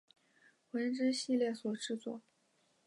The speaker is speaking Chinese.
魂之系列所制作。